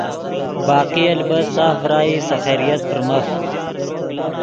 باقی البت ساف ڤرائی سے خیریت فرمف۔